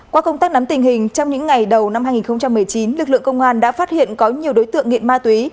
qua công tác nắm tình hình trong những ngày đầu năm hai nghìn một mươi chín lực lượng công an đã phát hiện có nhiều đối tượng nghiện ma túy